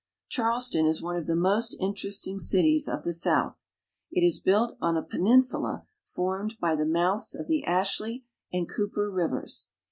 Charleston is one of the most interesting cities of the South. It is built on a peninsula formed by the mouths of the Ashley and Cooper rivers.